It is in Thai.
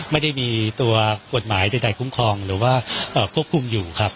ไม่ได้มีตัวกฎหมายใดคุ้มครองหรือว่าควบคุมอยู่ครับ